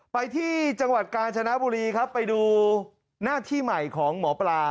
ไปที่จังหวัดกาญจนบุรีครับไปดูหน้าที่ใหม่ของหมอปลา